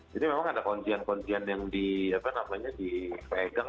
jadi memang ada kuncian kuncian yang dipegang